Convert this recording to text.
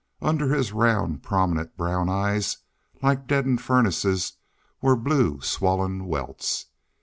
Under his round, prominent, brown eyes, like deadened furnaces, were blue swollen welts.